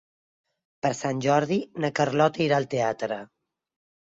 Per Sant Jordi na Carlota irà al teatre.